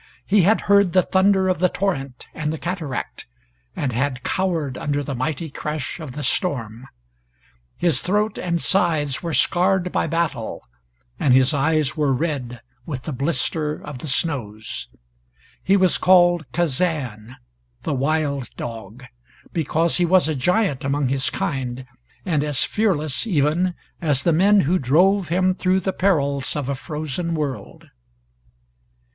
He had heard the thunder of the torrent and the cataract, and had cowered under the mighty crash of the storm. His throat and sides were scarred by battle, and his eyes were red with the blister of the snows. He was called Kazan, the Wild Dog, because he was a giant among his kind and as fearless, even, as the men who drove him through the perils of a frozen world.